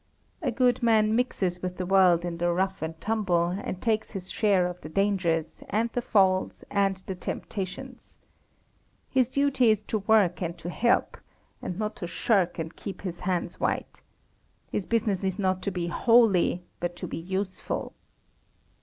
A good man mixes with the world in the rough and tumble, and takes his share of the dangers, and the falls, and the temptations. His duty is to work and to help, and not to shirk and keep his hands white. His business is not to be holy, but to be useful.